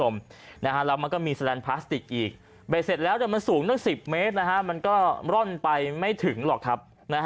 แล้วมันก็มีแลนดพลาสติกอีกเบ็ดเสร็จแล้วมันสูงตั้ง๑๐เมตรมันก็ร่อนไปไม่ถึงหรอกครับ